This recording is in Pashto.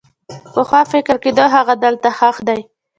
پخوا فکر کېده هغه دلته ښخ دی.